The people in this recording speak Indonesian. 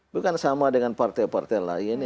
bukan sama dengan partai partai lain